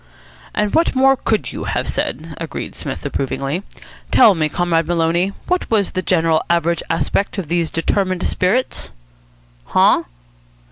'" "And what more could you have said?" agreed Psmith approvingly. "Tell me, Comrade Maloney, what was the general average aspect of these determined spirits?" "Huh?"